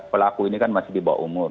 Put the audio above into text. pelaku ini kan masih di bawah umur